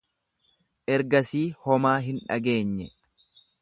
Ergasii homaa hin dhageenye.